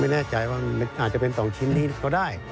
ไม่แน่ใจว่ามันอาจจะเป็น๒ชิ้นนี้ก็ได้